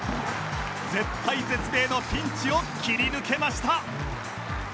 絶体絶命のピンチを切り抜けました